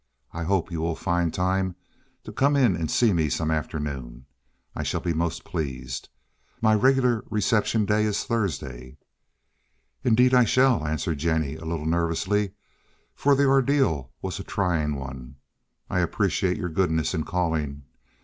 I hope you will find time to come in and see me some afternoon. I shall be most pleased. My regular reception day is Thursday." "Indeed I shall," answered Jennie, a little nervously, for the ordeal was a trying one. "I appreciate your goodness in calling. Mr.